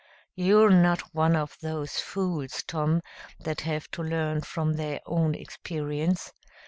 You're not one of those fools, Tom, that have to learn from their own experience.